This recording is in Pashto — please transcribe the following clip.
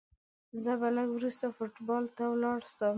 زه به لږ وروسته فوټبال ته ولاړ سم.